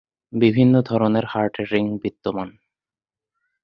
বিভিন্ন ধরণের হার্টের রিং বিদ্যমান।